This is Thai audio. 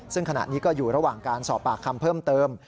ซึ่งขณะนี้ก็อยู่ระหว่างการสอบปากคำเพิ่มเติม